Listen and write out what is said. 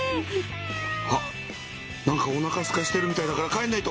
あっなんかおなかすかしてるみたいだから帰んないと。